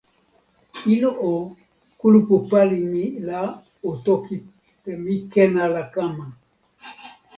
ilo o, kulupu pali mi la o toki te "mi ken ala kama".